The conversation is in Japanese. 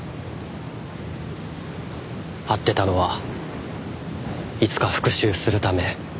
会ってたのはいつか復讐するため。